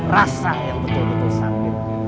rasa yang betul betul sakit